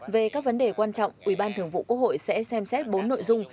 về các vấn đề quan trọng ủy ban thường vụ quốc hội sẽ xem xét bốn nội dung